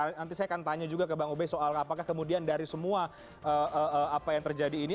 nanti saya akan tanya juga ke bang obe soal apakah kemudian dari semua apa yang terjadi ini